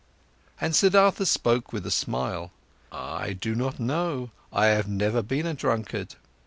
And Siddhartha spoke with a smile: "I do not know, I've never been a drunkard.